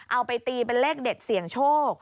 เอาไปตีเป็นเลขเด็ดเสี่ยงโชค